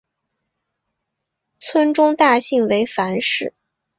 村中的大姓为樊氏。